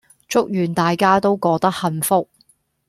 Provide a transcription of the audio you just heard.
祝願大家都過得幸福